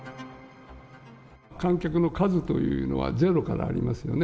観客の数というのは、ゼロからありますよね。